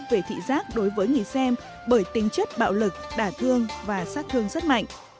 về thị giác đối với người xem bởi tính chất bạo lực đả thương và sát thương rất mạnh